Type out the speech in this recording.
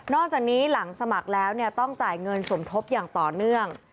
จากนี้หลังสมัครแล้วต้องจ่ายเงินสมทบอย่างต่อเนื่อง